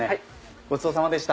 ごちそうさまでした。